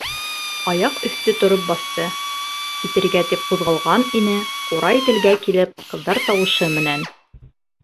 Аяҡ өҫтө тороп баҫты, китергә тип ҡуҙғалған ине, ҡурай телгә килеп, ҡыҙҙар тауышы менән: